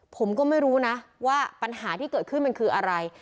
ผมก็ไม่รู้นะว่าปัญหาที่เกิดขึ้นมันคืออะไร